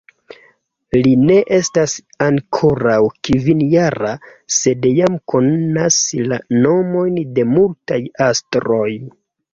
Li ne estas ankoraŭ kvinjara, sed jam konas la nomojn de multaj astroj.